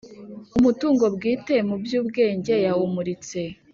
umutungo bwite mu byubwenge yawumuritse